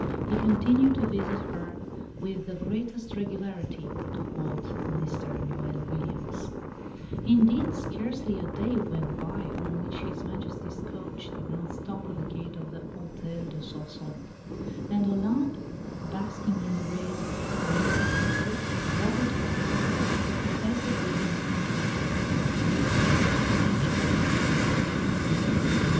"He continued to visit her with the greatest regularity," to quote Mr Noel Williams; "indeed, scarcely a day went by on which His Majesty's coach did not stop at the gate of the Hôtel de Soissons; and Olympe, basking in the rays of the Royal favour, rapidly took her place as the brilliant, intriguing great lady Nature intended her to be."